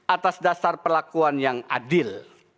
atas dasar perlakuan yang adil